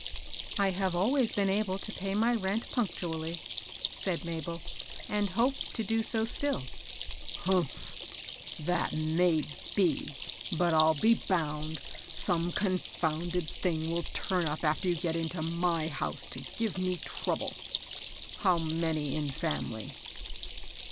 " I have always been able to pay my rent puno tually," said Mabel, " and hope to do so still." " Humph ! That may be ; but, I'll be bound, some confounded thing will turn tip after you get into my house to give me trouble. How many in family?"